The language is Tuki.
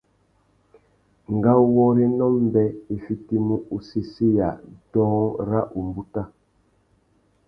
Ngawôrénô mbê i fitimú usésséya dôōng râ umbuta.